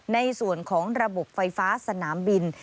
ในส่วนของระบบไฟฟ้าสนามบิน